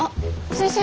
先生